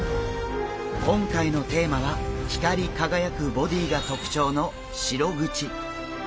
今回のテーマは光り輝くボディーが特徴のシログチ。